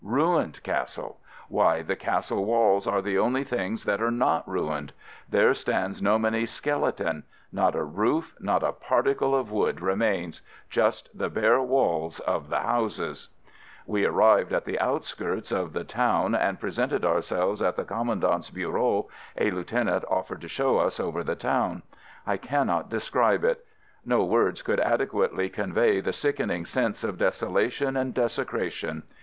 Ruined castle! Why, the castle walls are the only things that are not ruined. There stands Nomeny's skeleton. Not a roof, not a particle of wood remains! Just the bare walls of the houses. FIELD SERVICE 139 We arrived at the outskirts of the town and presenting ourselves at the com mandant's bureau, a lieutenant offered to show us over the town. I cannot de scribe it. No words could adequately convey the sickening sense of desolation and desecration.